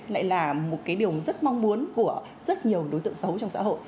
lại là một cái điều rất mong muốn của rất nhiều đối tượng xấu trong xã hội